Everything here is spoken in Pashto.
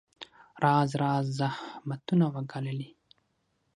راز راز زحمتونه وګاللې.